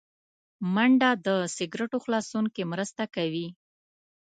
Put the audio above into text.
منډه له سګرټو خلاصون کې مرسته کوي